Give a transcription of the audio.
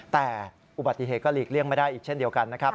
แต่อุบัติเหตุก็หลีกเลี่ยงไม่ได้อีกเช่นเดียวกันนะครับ